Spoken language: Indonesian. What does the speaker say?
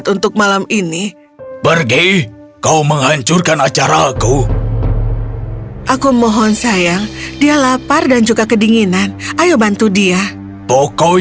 suatu malam tahun baru kami semua merayakannya dengan tamu di rumah